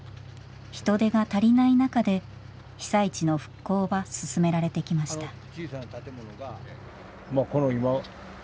人手が足りない中で被災地の復興は進められてきました。